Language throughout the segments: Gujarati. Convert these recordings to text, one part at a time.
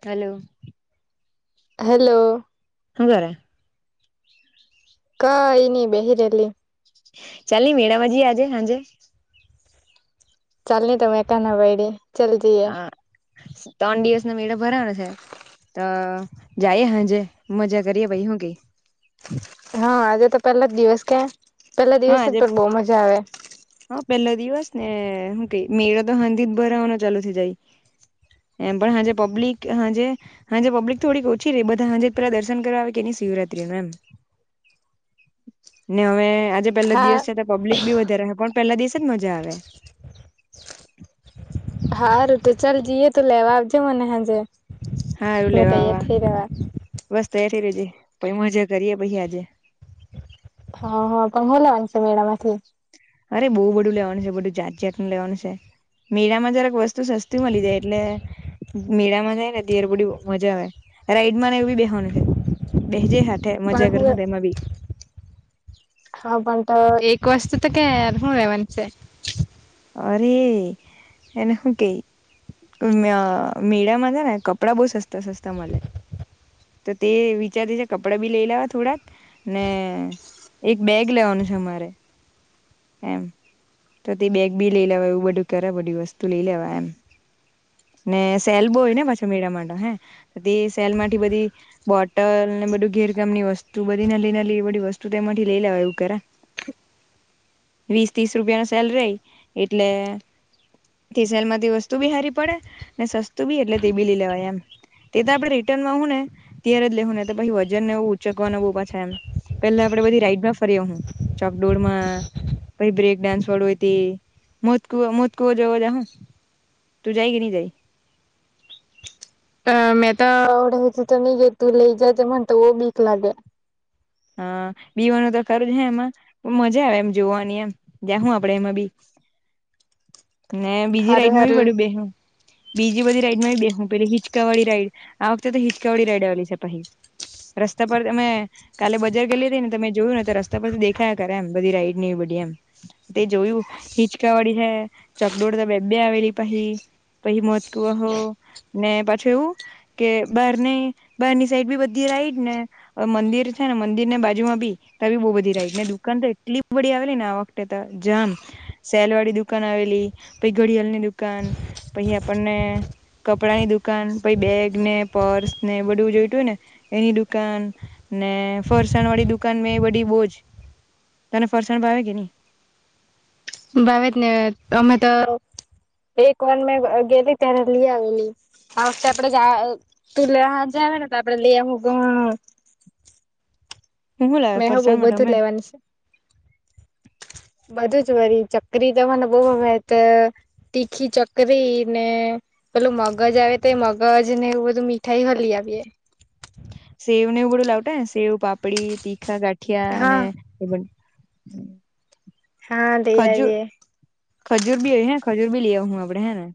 હલો. હેલો. હુકરે. કાઈની બેહિરેલીએ ચાલની મેળા જીએ આજે હાંજે. ચાલ ન તમેં કના બૈડી ચલ જઈએ. હા ત્રણ દિવસ નો મેળો ભરાનો છે. ત જાઈએ હાંજે મજા કરીએ ભાઈ હું કે. હા આજે તો પેલા જ દિવસે પેલા હા દિવસે આજે તો બઉ મજા આવે. હા પેલો દિવસે મેળો તો હાંજે જ ભરાવાનો ચાલુ થઇ જાય. એમ પણ હાજે પબ્લિક હાંજે હાંજે પબ્લિક થોડીક ઓછી રે બધા હાંજે પેલા દર્શન કરવા આવે કે ની શિવરાત્રી નું એમ ને હવે જે પેલો દિવસ હા છે તો પુબ્લિક બી વધારે પણ પેલા મજા આવે. હારું તો ચાલ જીએ તો લેવા આવજે મને હાજે હારું મે લેવા તૈયાર આવા થઈ રેવા. બસ તૈયાર રેજે પહી મજા કરીએ પછી આજે. હાહા પણ હુ લેવાનસે મેળામાંથી? અરે બો બધું લેવાનું છે બધું જાત જાતનું લેવાનું છે. મેળામાં જરાક વસ્તુ સસ્તી મળી જાય એટલે મેળામાં જાય ને ત્યારે બધી મજા આવે. રાઈડમાં ને એવું બી બેહવાનું છે બેજે હા પણ હું હા પણ એક [unintelligible] તો કે હું લેવાની છે? અરે એના હું કે? મે મેડા છે ને કપડા બહુ સસ્તા સસ્તા મલે. તો તે વિચારી ને કપડા બી લઈ લેવા થોડાક ને એક બેગ લેવાનું છે અમારે એમ તો તે બેગ બી લઈ લેવા એવું બધું કરે બધી વસ્તુ લઈ લેવા એમ. ને સેલ બોય ને પાછો મેળા માટે હે તે સેલ માંથી બધી બોટલ બધું ઘેર ગામની વસ્તુ બધીને નલિ નલી એ વસ્તુ તો એમાંથી લઈ લેવા એવું કરા. [inaudible] વીસ ત્રીસ રૂપિયા ન સેલ રહી એટલે સેલ માંથી વસ્તુ બી હારી પડે ને સસ્તું બી એટલે તે બીલી લેવાય એમ. તે તો આપડે રિટર્ન માં આવું ને ત્યારે જ લેવું ને પછી વજન ને એવ ઉંચકવાનું બુ પાછા એમ. પેલા આપડે બધી રાઈડમાં ફરી હું ચોકડોર માં પ બ્રેક ડાન્સ વાળો હોય તે મોત કું મોત કુંવર જવા જા હ તું જાય કે નહી જાય? [inaudible] અ મેં તો આવડું તો નહી ગે તું લઈ જ તો બહ બીક લાગે. હા બીવાનું તો ખરું જ હ એમાં મજા આવે એમ જોવાની એમ જયાહૂ આપડે એમાં બી. ને બીજી હારું રાઈડ માં બી હારું બડું બેહુ બીજી બધી રાઈડ માં બી બેહુ. પે હિચકાવાળડી રાઈડ આ વખતે તો હિચકાવાળડી રાઈડ આવેલી છે ભાઈ રસ્તા પર તમે. કાલે બજાર ગેલી હતી ને તમે જોયું ને રસ્તા પરથી દેખાયા કરે એમ બધી રાઈડ ની બધી એમ તે જોયું હિચકાવાળી હે ચકડોળ તો બે બે આવેલી પાહિ પછી મોત કુહો ને પાછો એવું કે બાર બારની સાઈડ બી બધી ને મંદિર છે ને મંદિર ને બાજુમાં બી ત બી બહુ બધી રાઈટ ને દુકાન તો એટલી બડીી આવેલી ને આ વખતે જામ સેલવાડી દુકાન આવેલી પછ ઘડિયાળ ની દુકાન પછી આપણને કપડા ની દુકાન પ બેગ ને પર્સ ને બધું જોયતું હોય ને એની દુકાન. ને ફરસાણ વાળી દુકાન મે બધી બોજ તને ફરસાણ ભાવે કે નહી? ભાવ જ ન અમે તો એક વાન મેં ગેલી ત્યારે લી આવેલી. આ વખતે આપડે જ તુંલે લે હાત જાવ ને તો આપડે લે હું ઘણુ. [inaudible] હું હું લાવે મે હ બો ફરસાણમાં બધું તમે લેવાનું છે. બધું જ વરી ચકરી તવાને બહત તીખી ચકરી ને પેલું મગજ આવે તો એ મગજ ને એવું બધું મીઠાઈ હો લેવીએ. સેવ ને એવું બડું લાવતાને સેવ પાપડી તીખા ગાઠિયા અને હા હમ. હા લઈ આવી આવીએ. ખજૂર બી હે ખજૂર બી લઈ હું આપડે હે ને.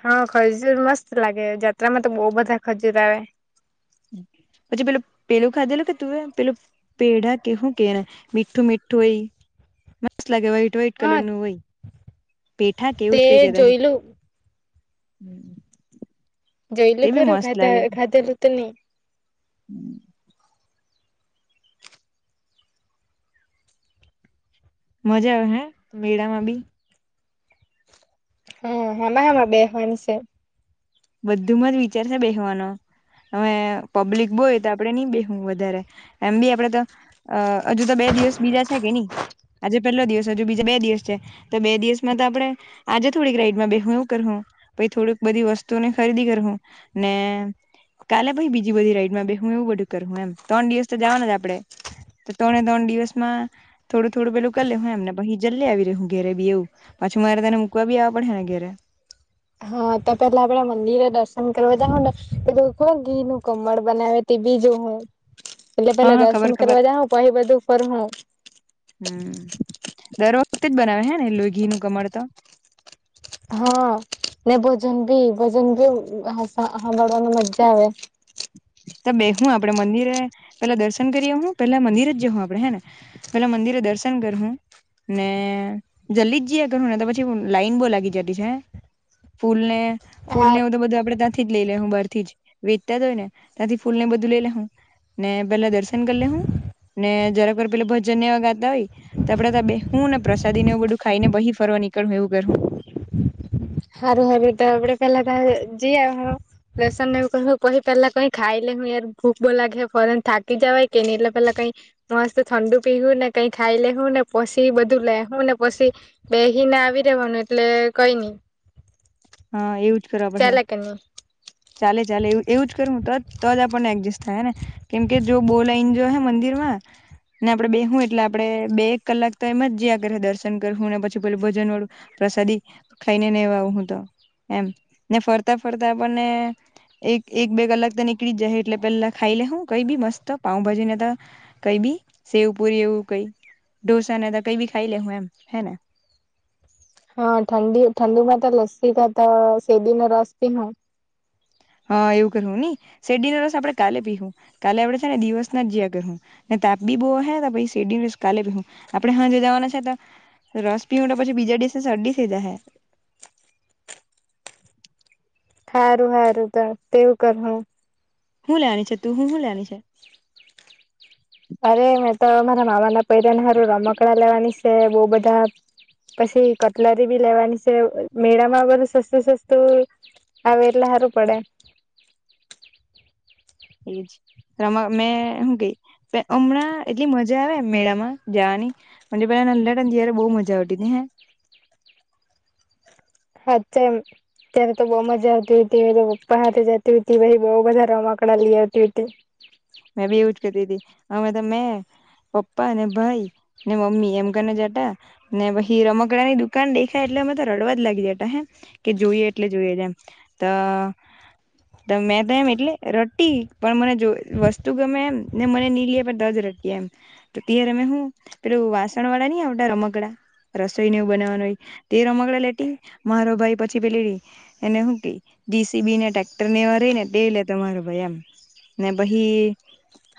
હા ખજૂર મસ્ત લાગે જાત્રામાં તો બહ બધા ખજૂર આવે. પછી પેલો પેલું ખાધેલો કે તું એ પેલું પેડાા કેવું કેને મીઠું મીઠું તોય લાગે વ્હાઈટ વ્હાઈટ કલર હા નું હોય પેઠા કેવું તે જ કઈ કેતા જોયલું હમ. જઈલું ખરું ખા ખાધલું તો નહી. હમ. મજા આવહે મેળામાં બી હમ્મ હેમા હેમા બેહવાની શ બધુંમાં જ વિચારશે બેહવાનો. હવે પબ્લિક બોય તો આપડે નઈ બેહવું વધારે એમ બી આપડે તો અ હજુ તો બે દિવસ બીજા છે કે ની આજે પેલો દિવસ હજુ બીજા બે દિવસ છે તો બે દિવસમાં તો આપડે આજે થોડીક રાઈડમાં બે હું એવું કરહું પહી થોડુક બધી વસ્તુને ખરીદી કરહુ ને કાલે પહી બીજી બધી રાઈડ માં બેહુ એવું બધું કરહુ એમ તણ દિવસ તો જાવાના જ આપડે તો તણે તણ દિવસ માં થોડું થોડું પેલું કર લેહુ એમ ને પછી જલ્લે આવી રેહુ ઘેરે બી એવું પાછું મારે તને મૂકવા બી આવા પડેહેને ઘેરે હા તો પેલા આપડે મંદિરે દર્શન કરવા જાહું ને પેલું કોણ ઘીર નું કમળ બનાવે તે [unintelligible] એટલે હા પેલા હા ખબર દર્શન ખબર કરવા જાહું પહી બધું ફર હું હમ દર વખતે જ બનાવે હે ને લો ઘીનું કમળ તો હા. ને ભોજન ભી ભજન ભી હસા હાભળવાની મજ્જા આવે. ત બેહું આપડે મંદિરે પેલા દર્શન કરીઅહું પેલા મંદિર જહું આપડે હે ને પેલા મંદિરે દર્શન કર હું ને જલ્દી જ જીએ અગર હું ને તો પછી હું લાઈન બો લાગી જતી છે. ફૂલ ને ફૂલ હા ને એઉ તો બધું આપડે તાથી જ લઈ લે હું બાર થી જ વેત્તા જ હોય ને ત્યાંથી ફૂલ ને બધું લઈ લે હું ને પેલા દર્શન કલેહું ને જરાકર પેલું ભજન એવા ગાતા હોય તો આપડે તા હું ને પ્રસાદી ને એવું બધું ખાઈ ને પહી ફરવા નીકળું એવું કર હું હારું હવે ત આપડે પેલા તા જી આ હ લસન ને [unintelligible] પહી પહેલા કઈ ખાય લે [unintelligible] યાર ભૂખ બો લાગે ફોરન થાકી જવાય કે ની એટલે પેલા કઈ મસ્ત ઠંડુ પીવહું ને કઈ ખાઈ એ લેહું ને પશી બધું લે હું ને પછી બે હિ ને આવી રેવાનું એટલે કઈ ની હા એવું જ કરવા પડે ચાલેકે ની. ચાલે ચાલે એવ-એવું જ કરું તોત તો જ આપણને એગ્જસ થાય ને કેમ કે જો બો લાઇન જો હે મંદિરમાં ને આપડે બેહું એટલે આપડે બે એક કલાક તો એમ જયા કરે દર્શન કરહું ને પછી પેલું ભજન વાળું પ્રસાદી ખાઈને નેવ આવ હું તો. એમ ને ફરતા ફરતા આપણને એક એક બે કલાક તો નીકળી જ જાહે એટલે પહેલા ખાઈ લેહું કઈ બી મસ્ત પાઉભાજીને તો કઈ બી સેવ પુરી એવું કઈ ઢોસા ને તો કઈ ભી ખાઈ લેહું એમ હે ને [inaudible] હા ઠંડી ઠંડી માં તો લસ્સી કાતો સેદીનો રસ પીહું. હા એવું કરહું ની શેરડીને રસ આપડે કાલે પીહું કાલે આપડે છેને દિવસ ના જીયા કરહું. તા આપ બી બો હે તાપહી શેડીન રસ કાલે પીહું આપડે હાંજે જવાના છે તો રસ પીઉ તો પછી બીજા ડીસે શરડી થઈ જાય હે [inaudible] હારું હારું ત તેવું કરહું. હુ લેવાની છે તું હુ હુ લેવાની છે [inaudible] અરે મેં તો મારા મામાના પૈરાન હારું રમકડા લેવાની શે બો બધા. પશી કટલરી બી લેવાની છે. અ મેળામાં બધું સસ્તું સસ્તું આવે એટલ હારું પડે. [inaudible] એજ રમ મેં હું કે ત હમણાં એટલી મજા આવે મેળામાં જાવાની [unintelligible] [unintelligible] જ્યારે બો મજા આવતી ને હે [inaudible] હાચ્ચેમ ત્યારે તો બૌ મજા આવતી તી [unintelligible] પપ્પા હાથે જતી તી [unintelligible] પહી બોઉ બધા રમકડા લઈ આવતી તી [unintelligible] મેં બી એવુ જ કરતી તી હમે તો મેં પપ્પા ને ભાઈ ને મમ્મી એમ કરીને જટા ને પછી રમકડા ની દુકાન દેખાય એટલે અમે તો રડવા જ લાગી જતા હે કે જોઈએ એટલે જોઈએ જએમ તો તો મેં તો એમ એટલે રટી પણ મને જો [unintelligible] વસ્તુ તું ગમે એમ ને મને ની લીય આપે તજ રટી એમ તો ત્યારે મે હું પેલું વાસણ વાળા ની આવતા રમકડાં રસોઈ ને એવું બનાવવાનું હોય તે રમકડા લેટી મારો ભાઈ પછી પેલીલએને હું કેય ડીસીબી [unintelligible] ને ટ્રેક્ટર નેવા રેય ને તે લેતો મારો ભાઈ એમ ને પહિ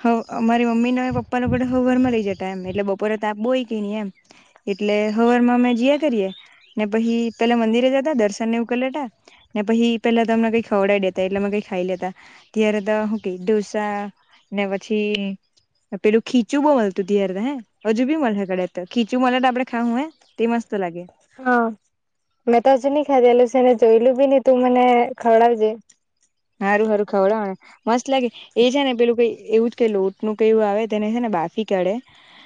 હ અમારી મમ્મી ને પપ્પાને હવારમાં લઈ જતા એમ એટલે બપોરે તાપ બો ઓય કે ની એમ એટલે હવારમાં મેમે જીયા કરીએે ને પછી પેલા મંદિરે જતા દર્શન ને કરી લેતા ને પછી પેલા તમને કઈ ખવડઈ દેતા એટલે અમે કઈ ખાઈ લેતા ત્યારે તો હું કેય ઢોસા ને પછી પેલું ખીચું બહુ મળતું ત્યારે તો હે. હજુ બી મળશે તો ખીચું મળે તો આપડે ખાવું હે તે મસ્ત તો લાગે. હા. એ તો હજુ નઈ ખાધેલું સેને એ જોયલુ બીની તું મને ખવડાવજે. સારું સારું ખવડાવાને. મસ્ત લાગે એ છે ને પેલું કઈ એવું જ ક લોટ નું કેવુ આવે તેને છે ને કાફી કાઢે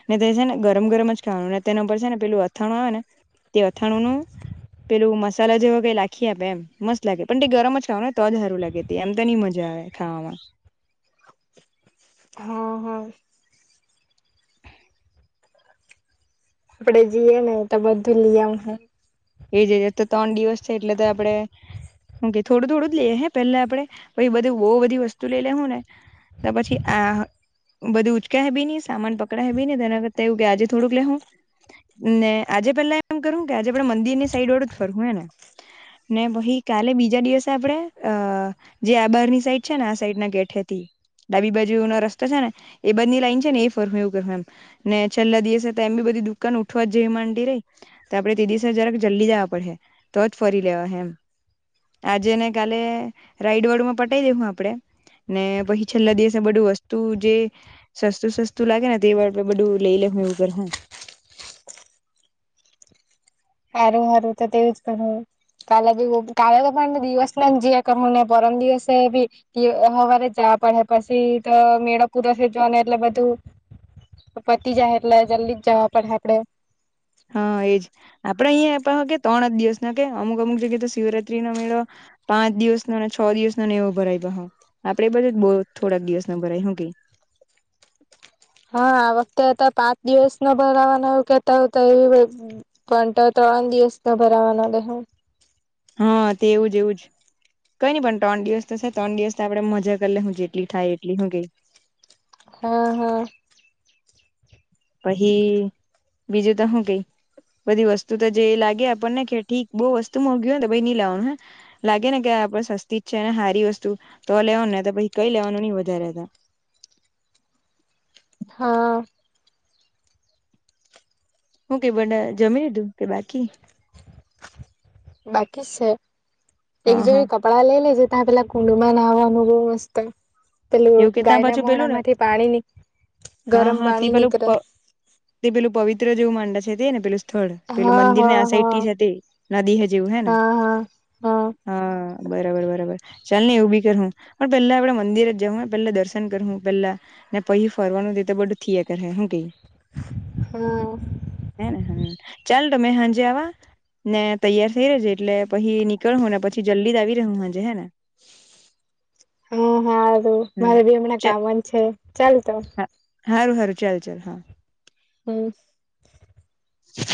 ને તે છે ને ગરમ ગરમ જ ખાવાનું ને તેના ઉપર છે ને પેલું અથાણું આવે ને તે અથાણું નું પેલું મસાલા જેવા કે લખી આપે એમ મસ્ત લાગે પણ તે ગરમ જ ખાવ ને તો જ હારું લાગે એમ તો ની મજા આવે ખાવામાં હા હા આપડે જઈએ ને તો બધું લીય આવ હું એજ જ તો ત્રણ દિવસ છે એટલે તો આપડે હુંકે થોડું થોડું જ લઈએ હે પેલા આપડે પછી બધું બઉુ બધી વસ્તુ લઈ લે હું ને તો પછી આ બધુ ઉચકા હે બી ની સામાન પકડા હે બી ને તેના કરતાં એવું કે આજે થોડુંક લે હું ને આજે પેલા એમ કરું કે આજે આપડે મંદિર ની સાઈડ ઓળું જ ફરવું હે ને ને પહિ કાલે બીજા દિવસે આપડે અ જે આબારની સાઈડ છે ને આ સાઈડ ના ગેટહેથી ડાબી બાજુનો રસ્તો છે ને એ બાજ ની લાઈન છે ને એ ફરવું એવું કરહુ એમને છેલ્લા દિવસે તો એમ બી ધ [unintelligible] દુકાન ઉઠવા જેમ માંડી રે તો આપણે જરાક જલ્દી જવા પડહે તો જ ફરી લેવાહે એમ આજે ને કાલે રાઈડ વાડુ માં પટાઈ દેહું આપડે ને પછી છેલ્લા દિવસે બધું વસ્તુ જે સસ્તું સસ્તું લાગે ને તે બધું બધું [unintelligible] લઈ લે એવું [unintelligible] કરહુ [unintelligible] હારું હારું તો તેવું જ કરહુ કાલે બી [unintelligible] કાલે તો પણ દિવસ ના જીયા કરહુંને પરમ દિવસે [unintelligible] હવારે આપને પછી તો મેળો પૂરો થેઇ જવાનો એટલે બધું પતિ જાહે એટલે જલ્દી જ જવા પડહે આપડે હા એજ આપડે અહીંયા પાહું કે ત્રણ જ દિવસના કે અમુક અમુક જગ્યાએ તો શિવરાત્રી નો મેળો પાંચ દિવસનો ને છ દિવસનો ને એવો ભરાય પાહો આપડે એ બાજુ જ બો થોડાક દિવસ નો ભરાય હું કેય [inaudible] હા, આ વખતે પાંચ દિવસ નો બગવવાનું કેહતા તો એ પા દિવસતા ભરાવાના રહે. હા, તે એવું જ એવું જ. કઈ નઈ પણ ત્રણ દિવસ તો સે ત્રણ દિવસ તો આપડ મજા કરી લે હું જેટલી થાય એટલી હુ કેઈ? હા હા. પછી બીજું તો હુ કઈ બધી વસ્તુ તો જે લાગે આપણને કે ઠીક બહુ વસ્તુ મોંઘી હોયને તો ભાઈ લાવવાનું હે લાગે ને કે આપડે સસ્તી જ છે ને હારી વસ્તુ તો લેવાનું ના તો પહિ કઈ લેવાનું નહી વધારે ત્યાં. [inaudible] હા. હું કે બધા જમી લીધું કે બાકી? ઠીક સે. એક હા હા જોરી કપડા લઈ લેજે તા પેલા કુંડુમાં નાવા એમા બો મસ્ત પેલું એવું કે તા ગાયના પાછું પેલું ને મોડામાંથી પાણી ની હા હા તે પેલું પ તે પેલું પવિત્ર જેવું માંડે છે તે ને પેલું થોડ પેલું હા મંદિરને આ હા સાઈડથી હા છે તે નદી હે જેવું હે ને. હા હા હા. બરાબર બરાબર ચાલને એવું બી કર હું પણ પેલા આપડે મંદિર જ જાહુ હે પેલા દર્શન કર હું પેલા ને પહી ફરવાનું તે તો બધું થીયા કર હે હું કેઈ? હા હા હ, હ. ચાલ તમે હાંજે આવા? મેં તૈયાર થઈ રે જે એટલે પહી નીકળું ને પછી જલ્દી જ આવી રેહુ હાજે હે ને? [inaudible] હા હા રે હમ મારે બી હમણાં ચ કામ જ છે ચાલ તો. હા હારું હારું ચાલ ચાલ હા. બસ. [inaudible]